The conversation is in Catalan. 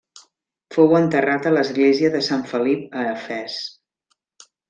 Fou enterrat a l'església de sant Felip a Efes.